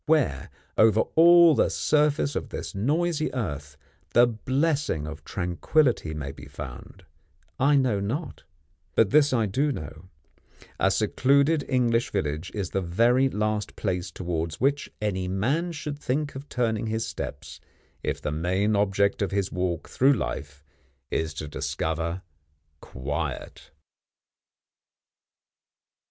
Where, over all the surface of this noisy earth, the blessing of tranquility may be found, I know not; but this I do know: a secluded English village is the very last place towards which any man should think of turning his steps, if the main object of his walk through life is to discover quiet.